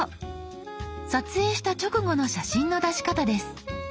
撮影した直後の写真の出し方です。